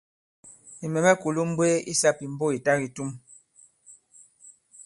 Nì mɛ̀ mɛ̀ kulū m̀mbwee i sāpìmbo ì ta kitum.